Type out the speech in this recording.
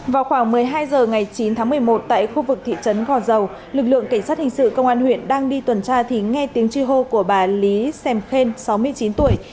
vào khoảng một mươi hai h ngày chín tháng một mươi một tại khu vực thị trấn gò dầu lực lượng cảnh sát hình sự công an huyện đang đi tuần tra thì nghe tiếng chi hô của bà lý xem sáu mươi chín tuổi